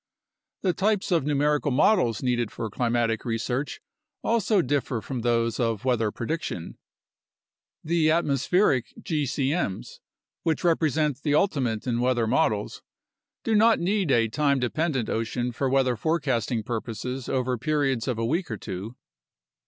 The types of numerical models needed for climatic research also differ from those of weather prediction. The atmospheric gcm's (which represent the ultimate in weather models ) do not need a time dependent ocean for weather forecasting purposes over periods of a week or two.